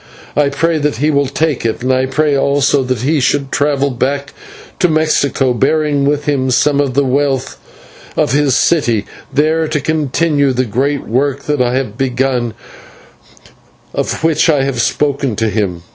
I pray that he will take it, and I pray also that he should travel back to Mexico, bearing with him some of the wealth of his city, there to continue the great work that I have begun, of which I have spoken to him.